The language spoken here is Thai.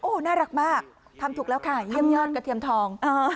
น่ารักมากทำถูกแล้วค่ะเยี่ยมยอดกระเทียมทอง